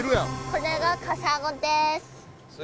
これがカサゴです。